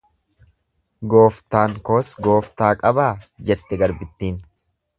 Gooftaan kos gooftaa qabaa? jette garbittiin.